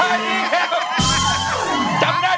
อันนี้ท่าลำ